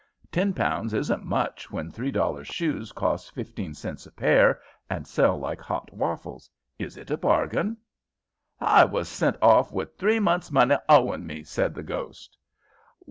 Ten pounds isn't much when three dollar shoes cost fifteen cents a pair and sell like hot waffles. Is it a bargain?" "H'I was sent off with three months' money owin' me," said the ghost.